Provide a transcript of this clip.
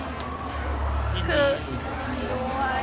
ในจนดีด้วย